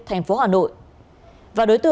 thành phố hà nội